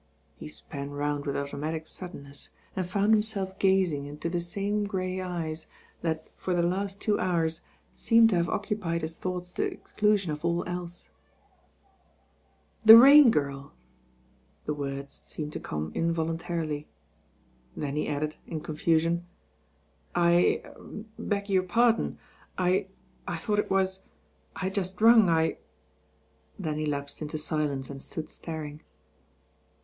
*' He span round with automatic suddenness, and found himself gazing into the same grey eyes tiiat, THE TWO DBA00N8 t9 for the last two hoon, teemed to have occupied hit thou^ta to the exclusion of all eke. 'The Rain43irl!'» The wordt teemed to come involuntarily. Then he added in confusion, "I— er beg your pardon. I—I thought it was— I had just rung, I '* Then he lapsed uito sUence and stood staring.